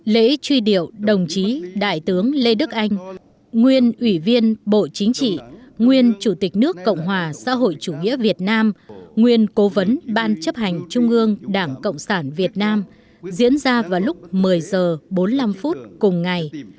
lễ truy điệu đồng chí đại tướng lê đức anh nguyên ủy viên bộ chính trị nguyên chủ tịch nước cộng hòa xã hội chủ nghĩa việt nam nguyên cố vấn ban chấp hành trung ương đảng cộng sản việt nam diễn ra vào lúc một mươi h bốn mươi năm cùng ngày